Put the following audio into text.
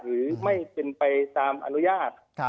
หรือไม่เป็นไปตามอนุญาต